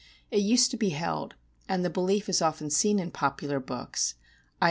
It used to be held, and the belief is often seen in popular books, i.